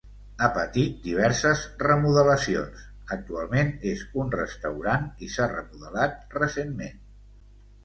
Ha patit diverses remodelacions, actualment és un restaurant i s'ha remodelat recentment.